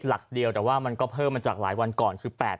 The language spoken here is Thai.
หลักเดียวแต่ว่ามันก็เพิ่มมาจากหลายวันก่อนคือ๘๐